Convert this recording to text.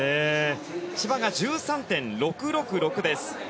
千葉が１３．６６６です。